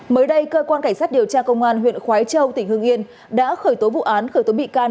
mới đây cơ quan cảnh sát điều tra công an huyện khói châu tỉnh hương yên đã khởi tố vụ án khởi tố bị can